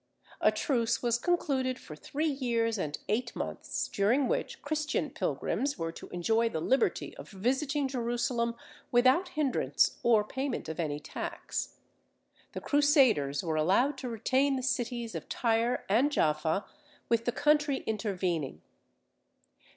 A truce was concluded for three years and eight months, during which Christian pilgrims were to enjoy the liberty of visiting Jerusalem without hindrance or payment of any tax. The Crusaders were allowed to retain the cities of Tyre and Jaffa, with the country intervening.